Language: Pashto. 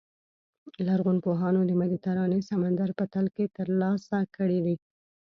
لرغونپوهانو د مدیترانې سمندر په تل کې ترلاسه کړي دي.